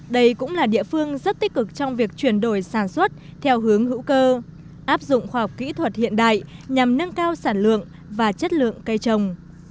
đây cũng là địa phương rất tích cực trong việc chuyển đổi sản xuất theo hướng hữu cơ áp dụng khoa học kỹ thuật hiện đại nhằm nâng cao sản lượng và chất lượng cây trồng